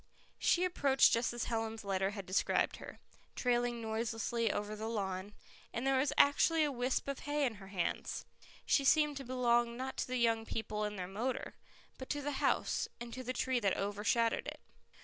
She approached just as Helen's letter had described her, trailing noiselessly over the lawn, and there was actually a wisp of hay in her hands. She seemed to belong not to the young people and their motor, but to the house, and to the tree that overshadowed it.